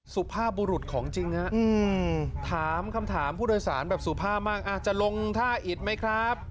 สุภาพบุรุษของจริงฮะถามคำถามผู้โดยสารแบบสุภาพมากจะลงท่าอิดไหมครับ